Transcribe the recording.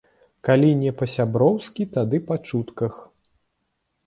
Калі не па-сяброўску, тады па чутках.